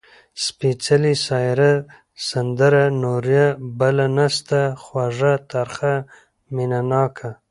سپېڅلې ، سايره ، سندره، نورينه . بله نسته، خوږَه، ترخه . مينه ناکه